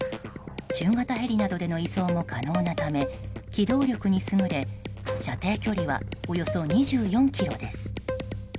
中型ヘリなどでの移送も可能なため機動力に優れ、射程距離はおよそ２４ｋｍです。